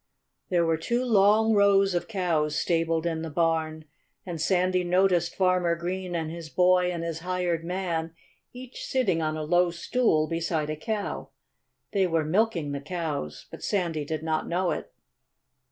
There were two long rows of cows stabled in the barn. And Sandy noticed Farmer Green and his boy and his hired man, each sitting on a low stool beside a cow. They were milking the cows. But Sandy did not know it.